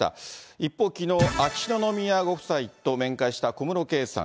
一方、きのう秋篠宮ご夫妻と面会した小室圭さん。